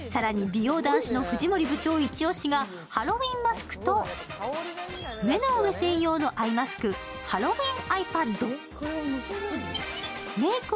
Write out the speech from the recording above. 更に美容男子の藤森部長イチ押しがハロウィンマスクと目の上専用のアイマスクハロウィンアイパッド。